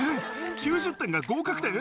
９０点が合格点？